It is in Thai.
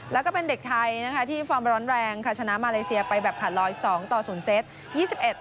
แล้วก็เป็นเด็กไทยที่ฟอร์มร้อนแรงชนะมาเลเซียไปแบบ๑๐๒ต่อ๐เซ็ต